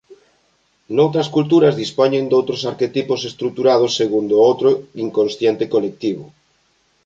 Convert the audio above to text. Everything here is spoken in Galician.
Noutras culturas dispoñen doutros arquetipos estruturados segundo outro inconsciente colectivo.